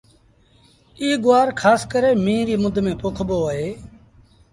ايٚ گُوآر کآس ڪري ميݩهن ريٚ مند ميݩ پوکبو اهي۔